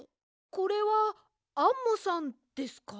これはアンモさんですか？